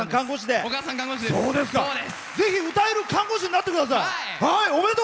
ぜひ歌える看護師になってください。